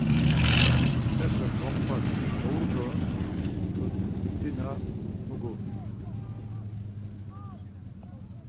Xepe gompa dou do mtutina nugu.